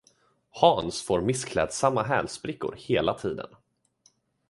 Hans får missklädsamma hälsprickor hela tiden.